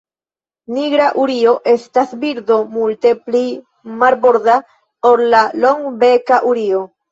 La Nigra urio estas birdo multe pli marborda ol la Longbeka urio.